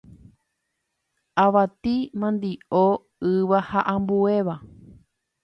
avati, mandi'o, yva ha ambuéva